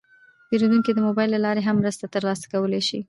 پیرودونکي د موبایل له لارې هم مرسته ترلاسه کولی شي.